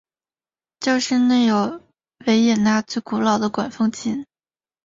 教堂内有维也纳最古老的管风琴。